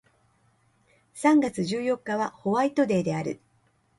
三月十四日はホワイトデーである